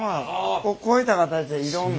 こういった形でいろんな。